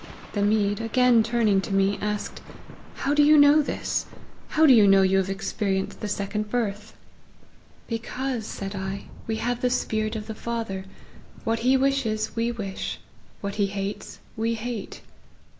The Mede again turning to me, asked, ' how do you know this ? how do you know you have experienced the second birth ?'' Because,' said I, ' we have the 154 LIFE OF HENRY MARTYN Spirit of the Father ; what he wishes, we wish ; what he hates, we hate.'